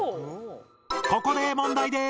ここで問題です！